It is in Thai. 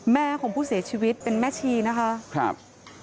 แม่ของผู้เสียชีวิตเป็นแม่ชีนะคะครับ